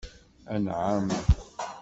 Anεam.